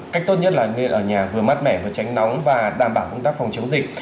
cách tốt nhất là như ở nhà vừa mát mẻ vừa tránh nóng và đảm bảo công tác phòng chống dịch